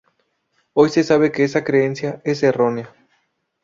Hoy se sabe que esa creencia es errónea.